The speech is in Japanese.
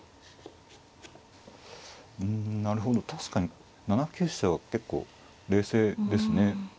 うんなるほど確かに７九飛車は結構冷静ですね。